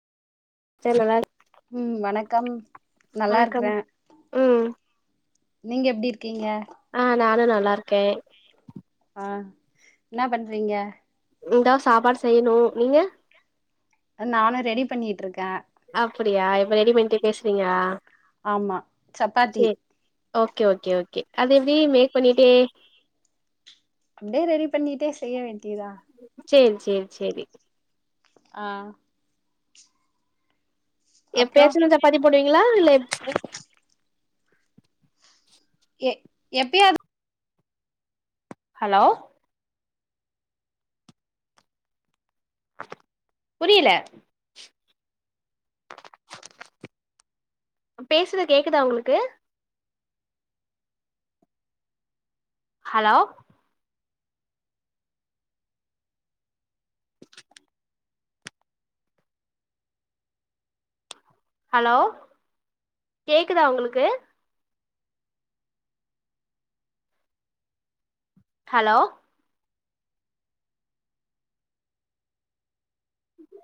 தெர்ல வ ம் வணக்கம் நல்லா வணக்கம் இருக்குறே ம் நீங்க எப்டி இருக்கீங்க ஆ நானு நல்லா இருக்கே அ என்ன பண்றீங்க இந்தா சாப்பாடு செய்யணு நீங்க நானு ரெடி பண்ணிட்டிருக்க அப்பிடியா இப்ப ரெடிபண்டே பேஸ்ரியா ஆமா சப்பாத்தி ஓகே ஓகே ஓகே அது எப்டி மேக் பண்ணிட்டே அப்டியே ரெடி பண்ணிட்டே செய்ய வேண்டியதா சேரி சேரி சேரி ஆ அப்றோ எப்பயச்சுன்ன சப்பாதி போடுவீங்களா இல்ல எ எப்பயாது ஹலோ புரியல பேசுற கேக்குதா உங்களுக்கு ஹலோ ஹலோ கேக்குதா உங்களுக்கு ஹலோ